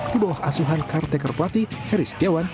di bawah asuhan caretaker pelatih harry setiawan